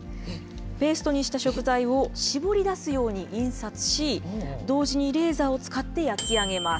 ペーストにした食材を、絞り出すように印刷し、同時にレーザーを使って焼き上げます。